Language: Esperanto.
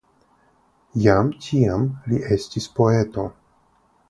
Jam tiam li estis poeto.